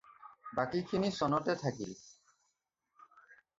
বাকীখিনি চনতে থাকিল।